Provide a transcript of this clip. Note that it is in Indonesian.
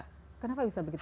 kenapa bisa begitu